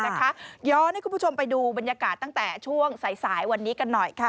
ย้อนให้คุณผู้ชมไปดูบรรยากาศตั้งแต่ช่วงสายวันนี้กันหน่อยค่ะ